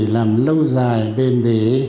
làm lâu dài bền bỉ